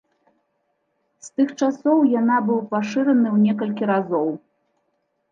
З тых часоў яна быў пашыраны ў некалькі разоў.